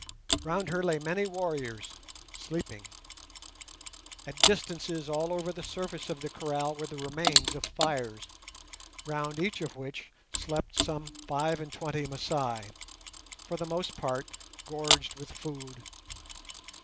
Round her lay many warriors, sleeping. At distances all over the surface of the kraal were the remains of fires, round each of which slept some five and twenty Masai, for the most part gorged with food.